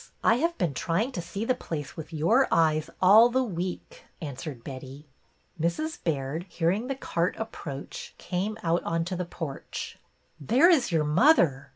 I have been trying to see the place with your eyes all the week," answered Betty. Mrs. Baird, hearing the cart approach, came out on the porch. " There is your mother